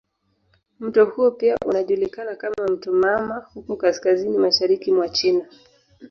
Mto huo pia unajulikana kama "mto mama" huko kaskazini mashariki mwa China.